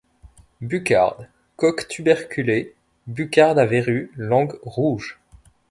Bucarde, coque tuberculée, bucarde à verrues, langue rouge.